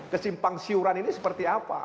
kesimpang siuran ini seperti apa